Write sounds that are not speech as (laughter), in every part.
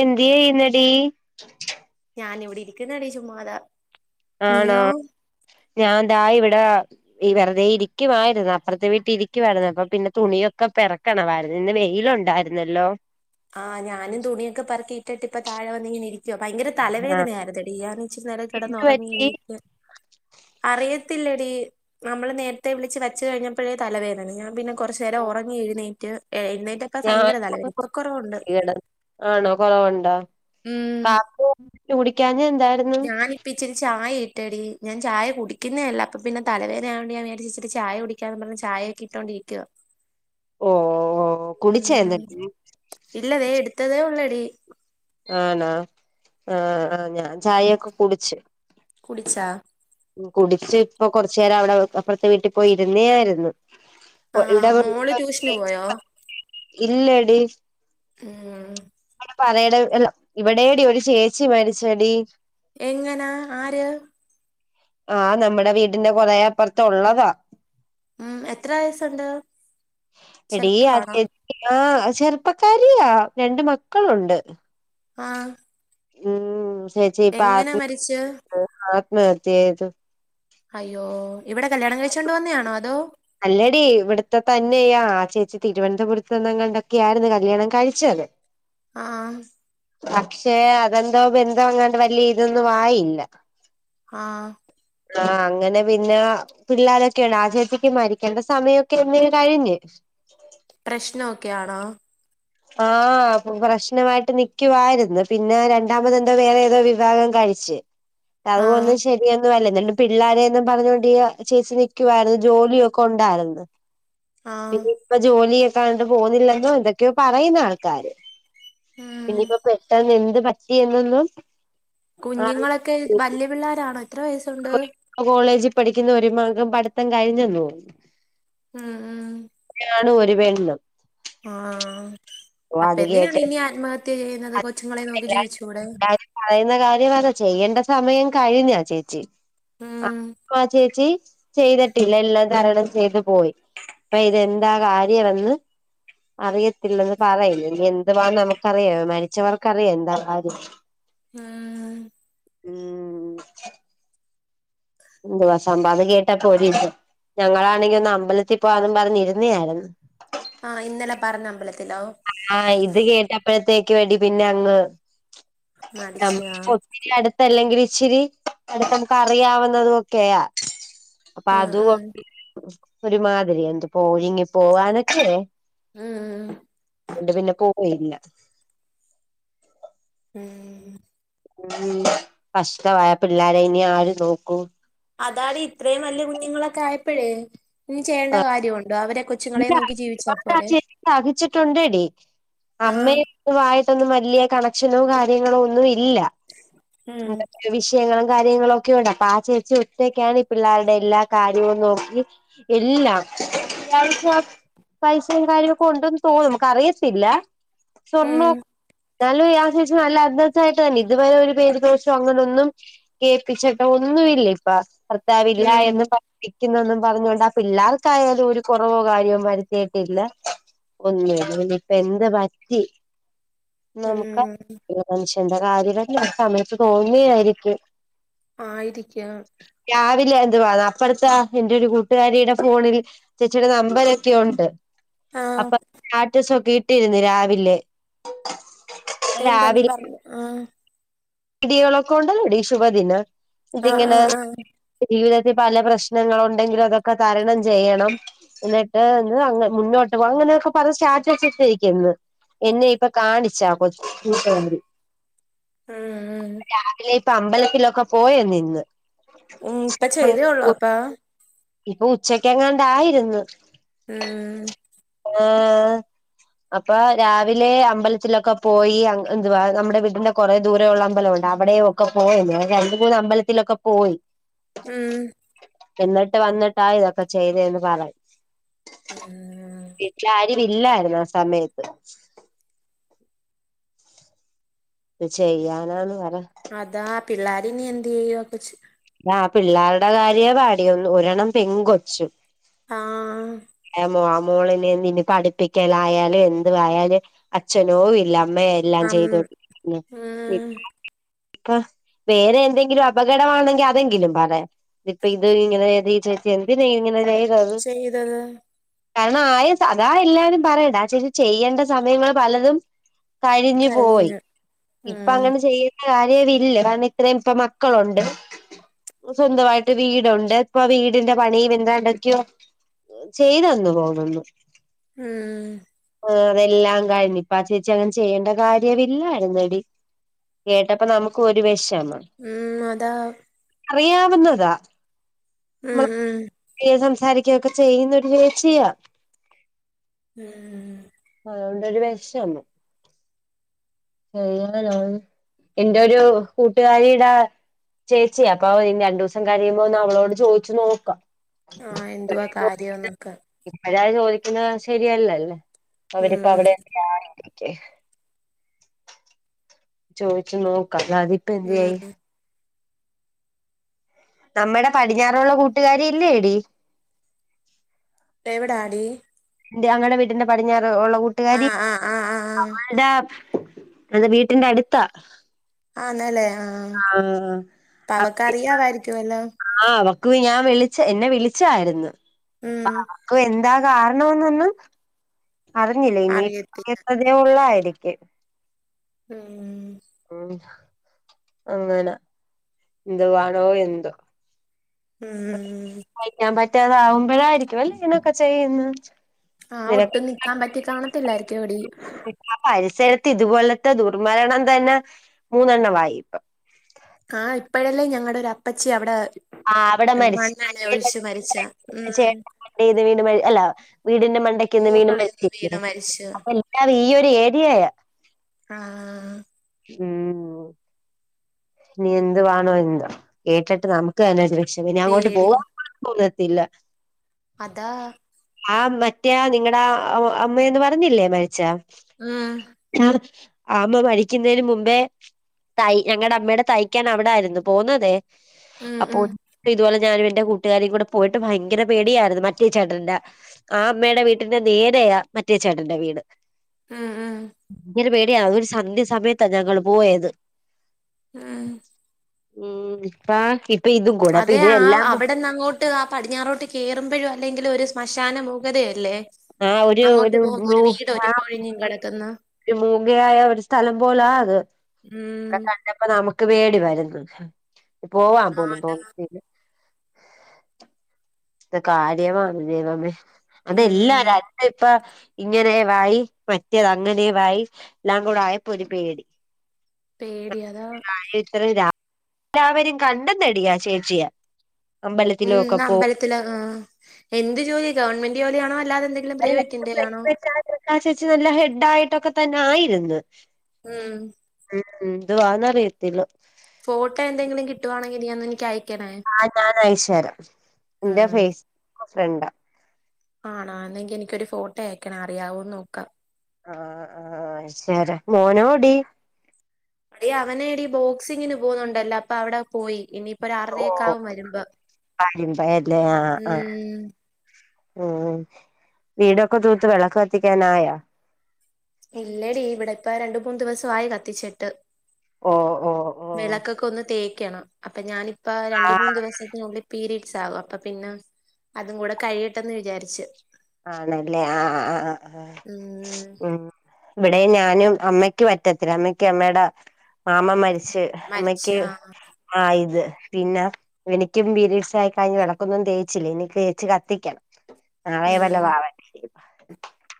എന്തെയിന്നടി ശ ഞാൻ ഇവിടെ ഇരിക്കുന്നട ചുമ്മാത. ആണോ ഞാൻന്താ ഇവിടെ. ഈ വെറുതെ ഇരിക്കുമായിരുന്നു അപ്പുറത്തെ വീട്ടി ഇരിക്കുവായിരുന്നു അപ്പൊ പിന്നെ തുണിയൊക്കെ പെറക്കി. കണവായിരുന്നു ഇന്ന് വെയില് ഉണ്ടായിരുന്നല്ലോ. ആഹ്ഞാനും തുണിയൊക്കെ പറത്തിട്ട് ഇപ്പ താഴെവന്ന് ഇങ്ങെനെ ഇരിക്കാ. അ ഭയങ്കര ആ തലവേദനയായിരുന്നുടിഞാൻ ഇച്ചി എന്ത് കിടന്നുറങ്ങി പറ്റി എണീരിക്ക്. അറിയത്തില്ലടി നമ്മള് നേരത്തെ വിളിച്ച് വച്ച' കഴിഞ്ഞപ്പോഴേ തലവേദനാണ് ഞാൻ പിന്നെ കുറച്ച് നേരം ഉറങ്ങി എഴുന്നേറ്റ് എഴുന്നേറ്റ ഇപ്പ ഞാൻ ഭയങ്കര തലവേദന ഇപ്പൊ കുറവുണ്ട്. ആണോ കൊറവുണ്ടോ ഉം കടിക്കാ എന്താ. ഞാന് ഇപ്പ ഇച്ചിരി ചായ ഇട്ടേടി ഞാൻ ചായ കുടിക്കു ന്നെ അല്ല അപ്പ പിന്നെ തലവേദനയായോണ്ട് ഞാൻ വിചാരിച്ചിരി ചായ കുടിക്ക. കുടിക്കാന്ന് പറഞ് ചായൊക്കെ ഇട്ടൊണ്ടിരിക്ക. ഓ ഓ കുടിച്ചോ ഉം എന്നിട്ട് ഇല്ല തെ എടുത്തതേ ഒ ള്ളടി. ആണാ ആഹ് ആഹ് ഞാൻ ചായൊക്കെ കുടിച്ച്. കുടിച്ചാ? കുടിച്ച് ഇപ്പൊ കൊറച്ചു നേരം അവിടെ അപ്പുറത്തെ വീട്ടിൽ പോയി ഇരുന്നേ ആയിരുന്നു. കൊ ആ ഇവടെ മോള് ട്യൂഷന് പോയോ (unintelligible) ഇല്ലടി. മ്മ് (unintelligible) ഇവടേം ടി ഒരു ചേച്ചി മരിച്ചെടി എങ്ങനാ ആര്? ആഹ് നമ്മുടെ വീടിന്റെ കുറേ അപ്പുറത്തു ള്ളതാ. ഉം എത്ര വയസ്സുണ്ട്? എടീ ചെറുപ്പമാണോ ആഹ് ചെറുപ്പക്കാരിയാ രണ്ട് മക്കളുണ്ട്. ആഹ് ഉം എങ്ങനെ ചേച്ചിപ്പത് മരിച്ച് ആത്മഹത്യ ചെയ്തു. അയ്യോ ഇവിടെ കല്യാണം കഴിച്ചു കൊണ്ട് വന്നെ ആണോ അതോ? അല്ലടി ഇവിടത്തെ തന്നെയ ആ ചേച്ചി തിരുവനന്തപുരത്ത് ന്നെങ്ങാണ്ടെ ക്കെയ ആയിരുന്നു കല്യാണം കഴിച്ചത്. ആഹ് പക്ഷെ അതെന്താ ബൻന്തങ്ങാണ്ട് വലിയ ഇതൊന്നുവായില. ആഹ ആഹ അങ്ങനെ പിന്നെ പിള്ളേരൊക്കെയാണ് ആ ചേച്ചി. മരിക്കേണ്ട സമയൊക്കെ എന്നേ കഴിഞ്. പ്രശ്ന ഒക്കെയാണോ? ആഹ പ്രശ്നമായിട്ട് നിക്കുവായിരുന്നു പിന്നെ രണ്ടാമത് എന്തോ വേറെ ഏതോ വിവാഹം കഴിച്ച്. അതു ആഹ് ഒന്നും ശരി. ന്നു അല്ല എന്നിട്ട് പിള്ളാരേ ന്നും പറഞ്ഞണ്ടി ചേച്ചി നിക്കുവായിരുന്നു ജോലി യൊക്കെ ഒണ്ടായിരുന്നു. ആഹ് പിന്നെ ഇപ്പ ജോലിയൊക്കെ കണ്ട് പോവുന്നില്ലെന്നോ എന്തൊക്കെയോ പറയുന്നു ആൾക്കാര് ഉം ഇനിയിപ്പോ പെട്ടന്ന് എന്ത് പറ്റി എന്നൊന്നും. കുഞ്ഞുങ്ങളൊക്കെ വല്യ പിള്ളാരണോ എത്ര വയസ്? ഒന്ന് കോളേജിൽ പഠിക്കുന്നു ഒരു മക പഠിത്തം കഴി െഞ്ഞന്നു തോന്നുന്നു. ഉം ഉം (unintelligible) ആ ഓ അപ്പൊ അത് എന്തിനാണ് കേട്ട് ഇനി ആത്മഹത്യ ചെയ്യുന്നത് അത് കൊച്ചുങ്ങളെ നോക്കി ജീവിച്ചുടെ. എല്ലാരും പറയുന്ന കാര്യമതാ ചെയ്യേണ്ട സമയം കഴിഞ്ഞാ ചേച്ചി ആ ഉം ആ ചേച്ചി ചെയ്തിട്ടില്ല എല്ലാം തരണം ചെയ്തു പോയി. അപ്പൊ ഇതെന്താ കാര്യമെന്ന് അറിയത്തില്ലെന്ന്. പറയേ ഇനി എന്തുവാേ നമുക്കറിയോ മരിച്ചവർക്കറിയാം എന്താ ആ ഉം ഉം എന്തുവാ സമ്പാദം കേട്ടാ പോലീ ഞങ്ങളാണെങ്കിൽ ഒന്ന് അമ്പലത്തിൽപ്പോ വാന്നു പറഞ്ഞി ഇരുന്നു വായിരുന്നു. ആ ഇന്നലെ പറഞ്ഞ അമ്പലത്തിലോ? ആഹ ഇത് കേട്ടപ്പഴത്തേക്ക് എടി പിന്നെ അങ്ങ്. അ മടിച്ച് ആഹ് അടുത്തല്ലെങ്കിൽ ഇച്ചിരി അടുത്ത് മക്ക് അറിയാവുന്ന തൊക്കെയാ. അപ്പൊ ഉം അത് ഉം ഒരുമാതിരി എന്ത് പോ ഒരുങ്ങി പോവാനൊക്കെ. ഉം ഉം ണ്ട് പിന്നെ പോയില്ല. ഉം ഉം കഷ്ടം ആ പിള്ളേര ഇനി ആര് നോക്കും അതാണ് ഇത്രയും വലിയ കുഞ്ഞുങ്ങളൊക്കെ ആയപ്പോഴേ ഇത് ചെയ്യേണ്ട കാര്യമുണ്ടോ അവരെ കൊ ഇല്ല ആ ചേച്ചി സഹിച്ചിട്ടുണ്ടടി ആഹ് അമ്മെ ഇപ്പൊ ആയിട്ടൊന്നും വലിയ കണക്ഷനോ കാര്യങ്ങളോ ഒന്നും ഇല്ല ഉം എന്തൊക്കെയോ വിഷയങ്ങളും കാര്യങ്ങളും ഒക്കെയുണ്ട് അപ്പൊ ആ ചേച്ചി ഒറ്റക്കാണ് ഈ പിള്ളേരുടെ എല്ലാ കാര്യവും നോക്കി ഇല്ലാ പൈസ പൈസയും കാര്യമൊക്കെ ഉണ്ടന്ന് തോന്നും നമക്ക് അറിയത്തില്ല സ്വർണ്ണോ ഉം എന്നാലും ആ ചേച്ചി നല്ല അന്തസായിട്ട് തന്നെ ഇതുവരെ ഒരു പേരുദോഷോ അങ്ങനെ ഒന്നും കേൾപ്പിച്ചിട്ടോ ഒന്നുമില്ല ഇപ്പ താവില്ല ഉം എന്നും പഠിക്കുന്നും പറഞ്ഞോണ്ട് ആ പിള്ളേർക്കായാലും ഒരു കുറവോ കാര്യവും വരുത്തിയിട്ടില്ല ഒന്നുല്ല ഇപ്പ എന്ത്‌ പറ്റി നമുക്ക് ഉം ഇത് മനുഷ്യന്റെ കാര്യല്ലേ സമയത്ത് തോന്യായിരിക്കും ആയിരിക്കാം രാവിലെ എന്തുവാ അപ്പഴത്തെ ആ എൻന്റെ ഒരു കൂട്ടുകാരിയുടെ ഫോണിൽ ചേച്ചിടെ നമ്പരൊക്കെ ഉണ്ട് ആഹ് അപ്പൊ സ്റ്റാറ്റസൊക്കെ ഇട്ടിരിന്ന് രാവിലെ എന്തന്ന് പറഞ് ആ വീഡിയോകളൊക്കെണ്ടടി ശുഭദിനം എന്നിട്ട് ആഹ് ഇങ്ങനെ ആഹ് ആഹ് ജീവിതത്തിൽ പല പ്രശ്നങ്ങള് ഉണ്ടെങ്കിലും അതൊക്കെ തരണം ചെയ്യണം എന്നിട്ട് എന്ത് അങ്ങ മുന്നോട്ട് പോ അങ്ങനെയൊക്കെ പറഞ്ഞ് സ്റ്റാറ്റസ് ഇട്ടിരിക്ക്ന്ന് എന്നെ ഇപ്പൊ കാണിച്ചാ കൊച്ച് കൂട്ടുക്കാരി ആഹ് ആഹ് രാവിലെ ഇപ്പൊ അമ്പലത്തിലൊക്കെ പോയ നിന്ന് ഉം ഇപ്പൊ ചെയ്തേ ഉള്ളോ അപ്പൊ ഇപ്പൊ ഉച്ചക്കെങ്ങാണ്ടായിരുന്ന് ഉം ആഹ് അപ്പൊ രാവിലെ അമ്പലത്തിലൊക്കെ പോയി ആ എന്തുവാ നമ്മടെ വീടിന്റെ കൊറെ ദൂരയുള്ള അമ്പലം ഉണ്ട് അവി അവിടെയുംഒക്കെ പോയെന്ന് രണ്ട് മൂന്ന് അമ്പലത്തിലൊക്കെ പോയി ഉം എന്നിട്ട് വന്നിട്ടാ ഇതൊക്കെ ചെയ്തേന്ന് പറയും ഉം വീട്ടിലാരും ഇല്ലായിരുന്നു ആ സമയത്ത് എന്ത് ചെയ്യാനാന്ന് പറ അതാ പിള്ളാരിനി എന്തേയ്യും ആ കൊച്ച് ആ പിള്ളേരുടെ കാര്യേ പാടി ഒരെണ്ണം പെൺ കൊച്ച് ആഹ് (unintelligible) മോളിനെ ഇനി പഠിപ്പിക്കലായാലും എന്തുവായാലും അച്ഛനോ ഇല്ല അമ്മയായ് എല്ലാം അം ചെയ്ത് കൊടുക്കുന്നെ ഉം (unintelligible) ഇപ്പൊ വേറെ എന്തെങ്കിലും അപകടമാണെങ്കിൽ അ തെങ്കിലും പറയാം ഇപ്പ ഇത് ഇങ്ങനെ ഏത് ഈ ചേച്ചി എന്തിനെങ്ങനെ ചെയ് തത് ചെയ്തത് കാരണം ആയ അതാ എല്ലാരും പറയണെ ആ ചേച്ചി ചെയ്യേണ്ട സമയങ്ങള് പലതും കഴിഞ്ഞു പോയി ഇപ്പ ഉം അങ്ങനെ ചെയ്യ ണ്ട കാര്യവില്ല കാരണം ഇത്രയും ഇപ്പ മക്കളുണ്ട് സ്വന്തമായിട്ട് വീടുണ്ട് ഇപ്പൊ വീടിന്റെ പണിയും എന്താണ്ടൊക്കെയോ ചെയ്തെന്നു തോന്നുന്നു ഉം ആഹ് അതെല്ലാം കഴിഞ്ഞു ഇപ്പ ആ ചേച്ചി അങ്ങനെ ചെയ്യേണ്ട കാര്യമില്ലായിരുന്നെടി കേട്ടപ്പൊ നമുക്കും ഒരു വെഷമം ഉം അതാ അറിയാവുന്നതാ ഉം ഉം സംസാരിക്കേം ഒക്കെ ചെയ്യുന്നൊരു ചേച്ചിയാ ഉം അതോണ്ടൊരു വെഷമം (unintelligible) എന്റൊരു കൂട്ടുകാരിടെ ച്ചിയാ അപ്പൊ രണ്ടു ദിവസം കഴിയുമ്പോ ഒന്ന് അവളോട് ചോദിച്ചു നോക്കാം ആഹ് എന്തുവാ കാര്യോന്നൊക്കെ ഇപ്പഴേ അത്‌ ചോദിക്കുന്നത് ശരിയല്ലല്ലേ ഉം അവരിപ്പ ഉം അവിടെ (unintelligible) ചോദിച്ചു നോക്കം അല്ലാതിപ്പം ഉം എന്തെയ്യും നമ്മുടെ പടിഞ്ഞാറുള്ള കൂട്ടുകാരി ഇല്ലേടി എവിടാടി ഞങ്ങടെ വീട്ടിന്റെ പടിഞ്ഞാറ് ഉള്ള കൂട്ടുകാരി ആഹ് ആഹ് ആഹ് ആഹ് ആഹ് അവള്ടെ വീട്ടിന്റെ അടുത്താ ആന്നല്ലേ ആഹ് ആഹ് അപ്പൊ അവക്ക് അറിയാവായിരിക്കും അല്ലോ ആഹ് അവക്ക് ഞാൻ വിളിച്ച എന്നെ വിളിച്ചായിരുന്നു ഉം അപ്പൊ അവക്കും എന്താ കാരണംന്നൊന്നും അറിഞ്ഞില്ല ഇനിപ്പോ അറിയത്തില്ല (unintelligible) ഇതേ ഉള്ള ആയിരിക്കും ഉം ഉം അങ്ങനാ ന്തുവാണോ എന്തോ ഉം സയ്ക്കാൻ പറ്റാതാവുമ്പഴായിരിക്കും അല്ലേ ഇങ്ങെനൊക്കെ ചെയ്യ്ന്ന് ആഹ് ഒട്ടും നിക്കാൻ പറ്റി കാണത്തില്ലായിരിക്കും എടീ ആ പരിസരത്ത് ഇത്പോലത്തെ ദുർമരണം തന്നെ മൂന്നെണ്ണവായിപ്പം ആഹ് ഇപ്പഴല്ലേ ഞങ്ങെടൊരു അപ്പച്ചി അവിടെ ആഹ് അവിടെ മരിച്ച് മണ്ണെണ്ണ മറ്റേ ഒഴിച്ച് മരിച്ച ഉം ചേട്ടൻ മണ്ടേന്ന് വീണ് മ അല്ല വീടിന്റെ മണ്ടയ്ക്ക്ന്ന് വീണ് മുകളിന്ന് മരിച്ചില്ലേ വീണ് മരിച്ചു അതൽ ല്ലാതും ഈ ഒരു ഏരിയയാ ആഹ് ഉം ഇനി എന്തുവാണോ എന്തോ കേട്ടിട്ട് നമുക്ക് തന്നെ ഒരു വെഷ് പിന്നെ അങ്ങോട്ട് പോവാ പേടിയാ (unintelligible) പോന്നത്തില്ല അതാ ആഹ് മറ്റേ ആ നിങ്ങടെ ആഹ് അ അമ്മയെന്ന് പറഞ്ഞില്ലേ മരിച്ച ആഹ് ആ അമ്മ മരിക്ക്ന്നേന് മുമ്പേ തൈ ഞങ്ങെടെ അമ്മേടെ തയ്ക്കാൻ അവിടായ്ര്ന്നു പോവ്ന്നതെ ആഹ് അപ്പോ ആഹ് സം ഇതുപോലെ ഞാനും എന്റെ കൂട്ടുകാരിം കൂടെ പോയിട്ട് ഭയെങ്കെരെ പേടിയായ്ര്ന്ന് മറ്റേ ചേട്ടന്റെ ആ അമ്മേടെ വീട്ടിന്റെ നേരെയാ മറ്റേ ചേട്ടെന്റെ വീട് ആഹ് ആഹ് ങ്കെരെ പേടിയാ അതൊരു സന്ധ്യ സമയത്താ ഞങ്ങള് പോയത് ആഹ് ഉം ഇപ്പാ ഇപ്പം ഇതും കൂടെ അപ്പ ഇത് എല്ലാം കൂ ട്ട് ആ പടിഞ്ഞാറോട്ട് കേറ്മ്പഴും അല്ലെങ്കിലൊരു സ്മശാന മൂകതയല്ലേ? ആ ഒരു അങ്ങോട്ട് പോകുമ്പോ ഒരു വീട് ഒര് ഒഴിഞ്ഞും കെടെക്ക്ന്ന് ഒരു മൂകയായ ഒരു സ്ഥലം പോലാ അത് ക ഉം ക ണ്ടപ്പം നമുക്ക് പേടി വര്ന്ന് പോവാം ആ പോലും അതാ തോന്നത്തില്ല കാര്യവാണ് ദൈവെമേ അതെല്ലാ ഉം രാ തിപ്പ ഇങ്ങനേവായി മറ്റേത് അങ്ങനേവായി ല്ലാം കൂടെ ആയപ്പോ ഒരു പേടി പേടി അതാ ഇത്ര രാ ല്ലാവരേയും കണ്ടന്നെടി ആ ചേച്ചിയെ ഉം അമ്പലത്തിലും ഒക്കെ ഇന്ന് പോയി അമ്പൽത്തില് ആഹ് എന്ത് ജോലി ഗവൺമെന്റ് ജോലിയാണോ അല്ലാതെ എന്തെ ല്ല പ്രൈവറ്റിന്റേലാണോ ത്താ ചേച്ചി നല്ല ഹെഡായിട്ടൊക്കെ തന്നെ ആയിര്ന്ന് ഉം ഉം ന്തുവാന്നറിയത്തില്ല ഫോട്ടോ എന്തെങ്കിലും കിട്ടുവാണെങ്കി നീ ഒന്നെനിക്കയ് ആഹ് ഞാനയച്ച് തരാം ന്റെ ഉം ഫെയ്സ് ക്ക് ഫ്രണ്ടാ ആണോ എന്നെങ്കി എനിക്കൊര് ഫോട്ടോയക്കണം അറിയാവോന്ന് നോക്കാ ആഹ് ആഹ് അയ്ചേരാ മോനോടി എടി അവനേടി ബോക്സിങ്ങിന് പോകുന്നുണ്ടല്ലോ അപ്പൊ അവിടെ പോയി ഇനി ഓ ഒരാറരേക്കാവും വരുമ്പം കരിമ്പയല്ലേ ആഹ് ആഹ് ഉം ഉം വീടൊക്കെ തൂത്ത് വെളെക്ക് കത്തിക്കാനായോ ഇല്ലെടി ഇവിടെ ഇപ്പം രണ്ട് മൂന്ന് ദിവസവായി കത്തിച്ചിട്ട് ഓഹ് ഓഹ് ഓഹ് വിളക്കൊക്കാെന്ന് തേക്കെണം അപ്പൊ ഞാനിപ്പ രണ്ട് മൂന്ന് ആഹ് ദിവസത്തിനുള്ളി പീരീഡ്സാവും അപ്പൊ പിന്നെ അതും കൂടെ കഴിയെട്ടെന്ന് വിചാരിച്ച് ആണെല്ലേ ആഹ് ആഹ് ആഹ് ഉം ഇവിടെ ഞാനും അമ്മയ്ക്ക് പറ്റത്തില്ല അമ്മയ്ക്ക് അമ്മേട മാമൻ മരിച്ച് മരിച്ചു അമ്മക്ക് ആ ആയത് പിന്നെ എനിക്കും പിരിസ് ആയി കഴിഞ്ഞ് വിളക്കൊന്നും തേച്ചില്ലേ ഇനി തേച്ച് കത്തിക്കണം നാളെ ഉം (unintelligible)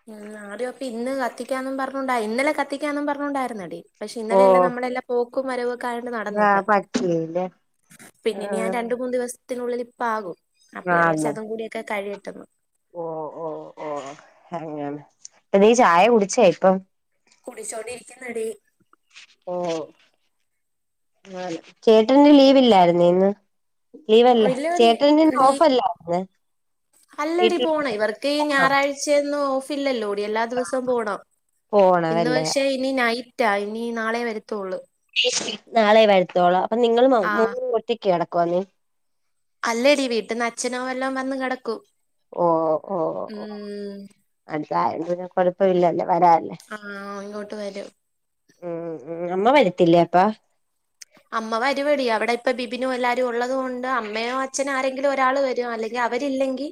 ഉം ആദ്യം ഇന്ന് കത്തിക്കാന്നും പറഞ്ഞോണ്ടായി ഇന്നലെ കത്തിക്കാന്നു പറഞ്ഞോണ്ടായിരുന്നടി പക്ഷെ ഓ ഇന്നലെ എല്ല നമ്മളെല്ലാം പോക്കും വരവും ഒക്കെയായത് കൊണ്ട് നടന്നില്ല ആഹ് പറ്റിയില്ലേ പിന്നെ ഞാൻ രണ്ട് മൂന്ന് ദിവസ് ത്തിനുള്ളിൽ ഇപ്പ ആകും അപ്പ ഞാൻ വിചാരിച്ച് ആന്ന് അതു കൂടിയൊക്കെ കഴിയട്ടന്ന് ഓ ഓ ഓ ഓ അങ്ങനെ ഇപ്പ നീ ചായ കുടിച്ചേ ഇപ്പം കുടിച്ചോണ്ടിരിക്കന്നെടി ഓ ന്നാല് ചേട്ടന് ലീവില്ലായിരുന്നോ ഇന്ന് ലീവല്ല ഇല്ലടി ചേട്ടൻ ഇന്ന് നീ ഓഫല്ലായിന്ന് അല്ലടി പോണേ ഇവർക്ക് ഈ ഞായറാഴ് ച്ച ഒന്നും ഓഫ് ഇല്ലല്ലോടി എല്ലാ ദിവസം പോണം ഇന്ന് പോണമല്ലേ പക്ഷെ നൈറ്റാ ഇനി നാളെ വരത്തോള്ളൂ നാളെ വരുത്തോളൊ അപ്പൊ നിങ്ങളു മൗ ആഹ് മൂന്നരും ഒറ്റക്ക് കിടക്കുവോ നീ അല്ലടി വീട്ടിന്ന് അച്ഛനോ വലോം വന്ന് കിടക്കും ഓ ഓ ഉം അടുത്തായത് കൊണ്ട് പിന്നെ കൊഴപ്പമില്ലല്ലേ ന്നെ വരാൻ ആഹ് ഇങ്ങോട്ട് വരും മ്‌ മ് അമ്മ വരത്തില്ലേ അപ്പാ അമ്മ വരൂയെടി അവിടെ ഇപ്പ വിബിനും എല്ലാരും ഉള്ളത് കൊണ്ട് അമ്മയോ അച്ച്ചനോ ആരെങ്കിലും ഒരാൾ വരും അല്ലേ ഇനി അവരില്ലെങ്കി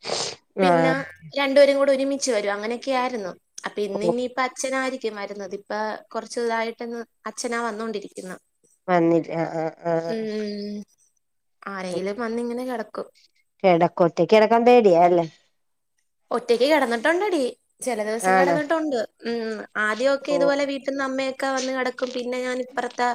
(inaudible) പിന്നെ രണ്ടുപേരും കൂടെ ഒരുമിച്ച് വരും അങ്ങനെയൊക്കെ ആയിരുന്നു അപ്പൊ ഇന്ന് ഇനിയിപ്പ അച്ഛനായി വരുന്നത് ഇപ്പൊ കൊറച്ചുയിതായിട്ട്ന്ന് അച്ഛനാ വന്നോണ്ടിരിക്കുന്ന വന്നില്ല ആ ആ ആ ആഹ് ഉം ആഹ് ആരെങ്കിലും വന്നിങ്ങനെ കിടക്കും കിടക്കും ഒറ്റക്ക് കിടക്കാൻ പേടിയാ അല്ലെ ഒറ്റയ്ക്ക് കിടന്നിട്ടുണ്ടടി ചില ദിവസം ആണോ കിടന്നിട്ടുണ്ട് ഉം ആദ്യ ഒക്കെ ഓ ഇതുപോലെ വീട്ട് ന്ന് അമ്മയൊക്കെ വന്ന് കിടക്കും പിന്നെ ഞാൻ ഇപ്പറത്ത്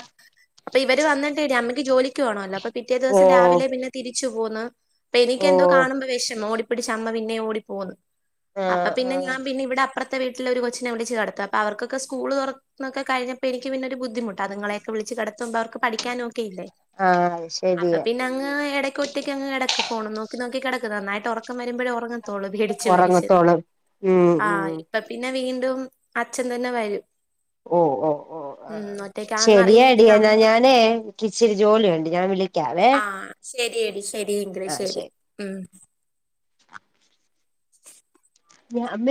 അപ്പ ഇവര് വന്നിട്ട് അമ്മയ്ക്ക് ജോലിക്ക് പോണല്ലോ പിറ്റേ ഓ ദിവസം രാവിലെ പിന്നെ തിരിച്ച് പോന്ന് അപ്പൊ ഓ എനിക്കെന്തോ കാണുമ്പൊ വെഷമം ഓടിപ്പിടിച്ചമ്മ പിന്നെ ഓടി പോന്ന് അപ്പ ആഹ് പിന്നെ ആഹ് ഞാപ്പിന്നെ ഇവിടെ അപ്പ്ര ത്തെ വീട്ടിലെ ഒരു കൊച്ചിനെ വിളിച്ച് കെടത്ത അപ്പ അവർകെക്ക സ്കൂള്തൊറക്ക- ന്നൊക്കെ കഴിഞ്ഞപ്പ എനിക്ക് പിന്നൊരു ബുദ്ധിമുട്ട് അത്ങ്ങളൊക്കെ വിളച്ച്കെടത്തുമ്പോ അവർക്ക് പഠിക്കാനുവൊ ക്കില്ലെ ആഹ് അത് അപ്പ ശരിയാ പിന്നെ ഞാങ്ങ് എടക്ക് ഒറ്റക്കങ്ങ് കെടക്ക് ഫോണും നോക്കി നോക്കി നന്നായിട്ട് ഒറക്കം വരുമ്പഴെ ഒറ തൊള്ളു പിടിച്ച് പേടിച്ച് ഉറങ്ങത്തോളും ഉം ഉം ആഹ് ഇപ്പ പിന്നെ വീണ്ടും അച്ഛൻ തന്നെ വരും ഓഹ് ഓഹ് ഓഹ് ഉം ഒറ്റയ്ക്കാണെന്ന് അറിയുമ്പോ ശരിയാടി പിന്നെ എന്നാ അമ്മ ഞാനേ ക്കിച്ചിരി ജോലിയുണ്ട് ഞാൻ വിളിക്കാവേ ആഹ് ശരിയെടി ശരി എങ്കില് ശരി ഉം ഞാ അമ്മെ